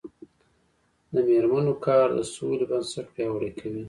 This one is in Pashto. د میرمنو کار د سولې بنسټ پیاوړی کوي.